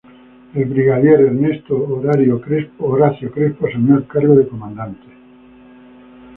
El brigadier Ernesto Horacio Crespo asumió el cargo de comandante.